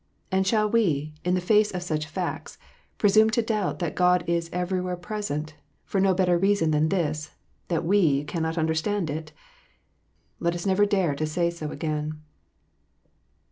And shall we, in the face of such facts, presume to doubt that God is every where present, for no better reason than this, that we cannot understand it 1 Let us never dare to say so again.